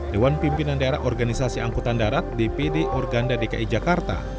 dewan pimpinan daerah organisasi angkutan darat dpd organda dki jakarta